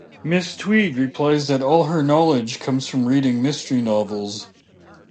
Miss Tweed replies that all her knowledge comes from reading mystery novels.